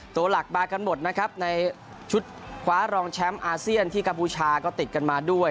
ตัวหลักมากันหมดนะครับในชุดคว้ารองแชมป์อาเซียนที่กัมพูชาก็ติดกันมาด้วย